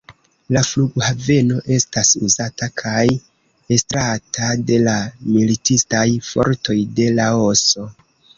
La flughaveno estas uzata kaj estrata de la militistaj fortoj de Laoso.